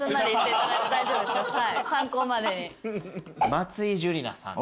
松井珠理奈さん。